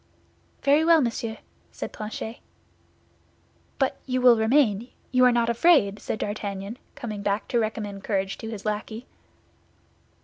"Very well, monsieur," said Planchet. "But you will remain; you are not afraid?" said D'Artagnan, coming back to recommend courage to his lackey.